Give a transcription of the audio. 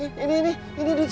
ini siapa nih